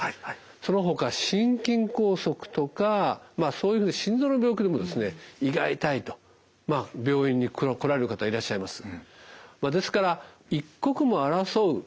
そのほか心筋梗塞とかまあそういう心臓の病気でも胃が痛いと病院に来られる方いらっしゃいます。